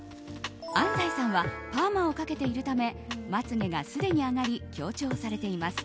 安西さんはパーマをかけているためまつ毛がすでに上がり強調されています。